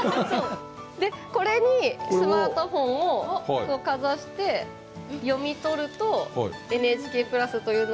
でこれにスマートフォンをかざして読み取るとＮＨＫプラスというのが出てくるのでつながります。